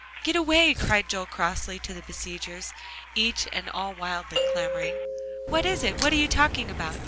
"Get away!" cried Joel crossly to the besiegers, each and all wildly clamoring. "What is it? What are you talking about?